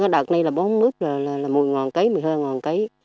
đợt này là bóng mướp rồi là mùi ngòn cấy mùi hơi ngòn cấy